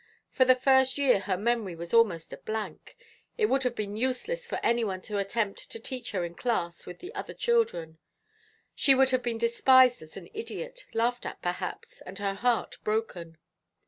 For the first year her memory was almost a blank. It would have been useless for any one to attempt to teach her in class with the other children. She would have been despised as an idiot, laughed at perhaps, and her heart broken.